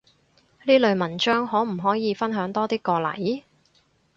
呢類文章可唔可以分享多啲過嚟？